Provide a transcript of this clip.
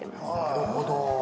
なるほど。